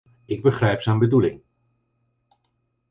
Ik begrijp zijn bedoeling.